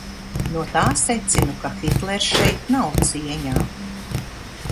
No tā secinu, ka Hitlers šeit nav cieņā.